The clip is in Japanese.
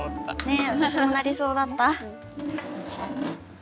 ね私も鳴りそうだった。